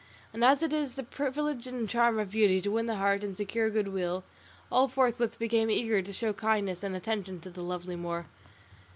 And as it is the privilege and charm of beauty to win the heart and secure good will, all forthwith became eager to show kindness and attention to the lovely Moor.